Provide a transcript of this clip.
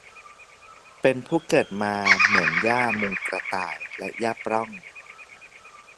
เป็นผู้เกิดมาเหมือนหญ้ามุงกระต่ายและหญ้าปล้อง